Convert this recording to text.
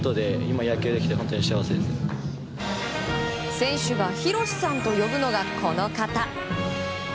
選手がヒロシさんと呼ぶのがこの方。